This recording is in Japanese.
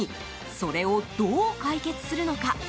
それをどう解決するのか？